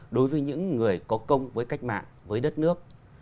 đối với những người có công với cách mạng với đất nước